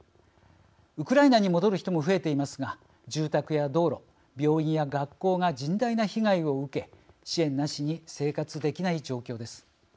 ウクライナに戻る人も増えていますが住宅や道路病院や学校が甚大な被害を受け支援なしに生活できない状況です。